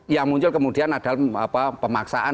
yang muncul kemudian adalah pemaksaan